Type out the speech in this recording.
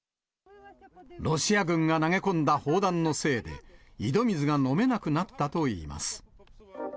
ロシア軍投げ込んだ砲弾のせいで、井戸水が飲めなくなったといいます。